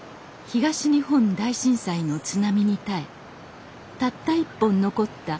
東日本大震災の津波に耐えたった一本残った松の木。